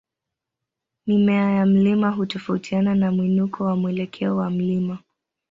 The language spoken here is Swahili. Mimea ya mlima hutofautiana na mwinuko na mwelekeo wa mlima.